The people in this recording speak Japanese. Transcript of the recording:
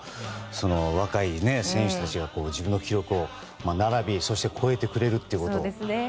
若い選手たちが自分の記録に並びそして超えてくれるということ。